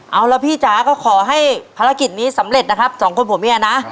เอาละพี่จ๋าก็ขอให้ภารกิจนี้สำเร็จนะครับสองคนผัวเมียนะ